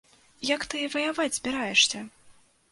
Як ты ваяваць збіраешся?!